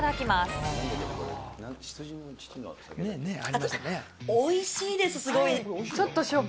おいしいです、すごい。